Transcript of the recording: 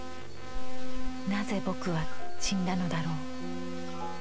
なぜ「ぼく」は死んだのだろう。